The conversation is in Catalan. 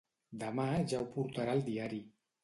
Demà ja ho portarà el diari.